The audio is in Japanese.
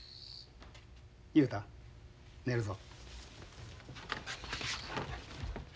雄太寝るぞ。